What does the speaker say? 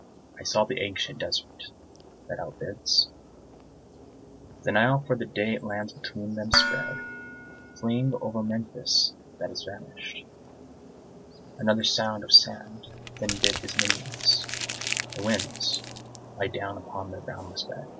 I saw the ancient Desert, that outbids The Nile for the date lands between them spread, Fling over Memphis that is vanishèd, Another shroud of sand, then bid his minions, The winds, lie down upon their boundless bed.